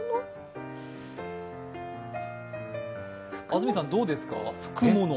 安住さん、どうですか？